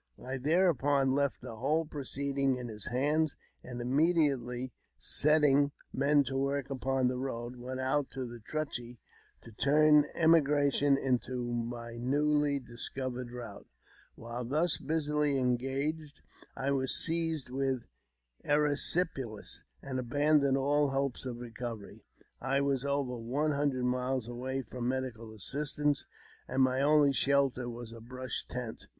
I thereupon left the whole proceeding in his hands, and, immediately setting men to work upon the road, went out to the Truchy to turn emigration into my newly discovered route. 426 AUTOBIOGBAPHY OF While thus busily engaged I was seized with erysipelas, and abandoned all hopes of recovery ; I was over one hundred miles away from medical assistance, and my only shelter was a brush tent.